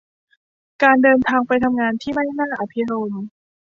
การเดินทางไปทำงานที่ไม่น่าอภิรมย์